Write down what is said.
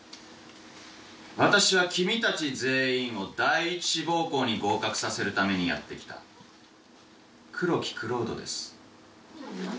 私は君たち全員を第一志望校に合格させるためにやって来た黒木蔵人です。